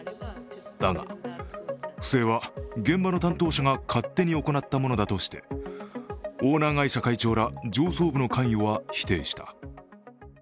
だが、不正は現場の担当者が勝手に行ったものだとしてオーナー会社会長ら上層部の関与は否定した。